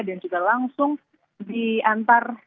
dan juga langsung diantar ke rumah